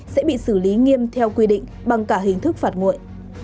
sẽ bị xử lý nghiêm theo quy định bằng cả hình thức phạt nguội